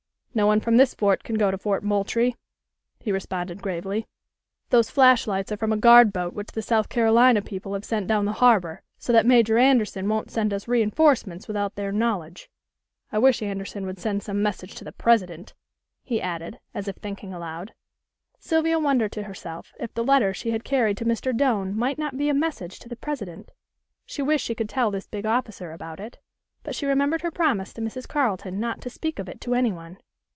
"No one from this fort can go to Fort Moultrie," he responded gravely. "Those flash lights are from a guard boat which the South Carolina people have sent down the harbor so that Major Anderson won't send us reinforcements without their knowledge. I wish Anderson would send some message to the President," he added, as if thinking aloud. Sylvia wondered to herself if the letter she had carried to Mr. Doane might not be a message to the President? She wished she could tell this big officer about it. But she remembered her promise to Mrs. Carleton not to speak of it to anyone.